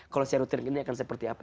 kalau secara rutin ini akan seperti apa